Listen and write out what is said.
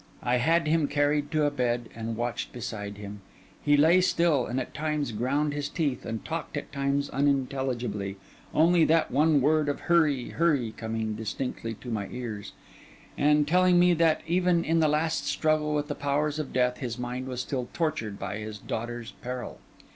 I had him carried to a bed, and watched beside him. He lay still, and at times ground his teeth, and talked at times unintelligibly, only that one word of hurry, hurry, coming distinctly to my ears, and telling me that, even in the last struggle with the powers of death, his mind was still tortured by his daughter's peril.